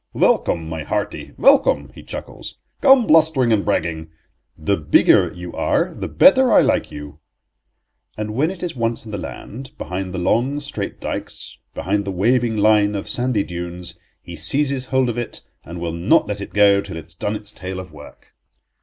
"Welcome, my hearty, welcome," he chuckles, "come blustering and bragging; the bigger you are the better I like you." And when it is once in the land, behind the long, straight dykes, behind the waving line of sandy dunes, he seizes hold of it, and will not let it go till it has done its tale of work.